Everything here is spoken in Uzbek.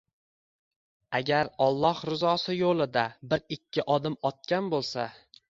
agar Alloh rizosi yo'lida bir-ikki odim otgan bo'lsa